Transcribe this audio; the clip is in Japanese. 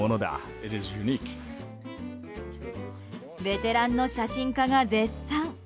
ベテランの写真家が絶賛。